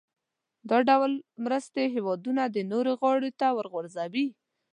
دا ډول مرستې هېوادونه د نورو غاړې ته ورغورځوي.